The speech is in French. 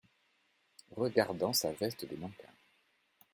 Regardant sa veste de nankin.